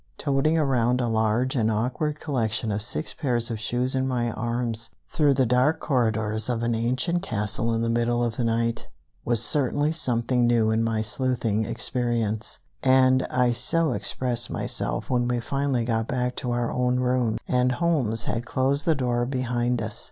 Toting around a large and awkward collection of six pairs of shoes in my arms, through the dark corridors of an ancient castle in the middle of the night, was certainly something new in my sleuthing experience, and I so expressed myself when we finally got back to our own room, and Holmes had closed the door behind us.